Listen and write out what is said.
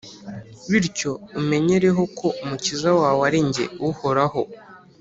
bityo umenyereho ko umukiza wawe ari jye, uhoraho,